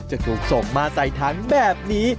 จะถูกส่งมาใส่ถังแบบนี้